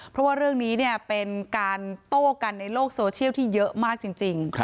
เพราะว่าเรื่องนี้เป็นการโต้กันในโลกโซเชียลที่เยอะมากจริง